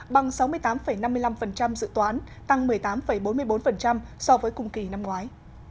bằng sáu mươi tám năm mươi năm dự toán tăng một mươi tám bốn mươi bốn so với cùng kỳ năm ngoái